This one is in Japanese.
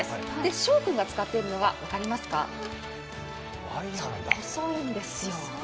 翔君が使っているのは細いんですよ。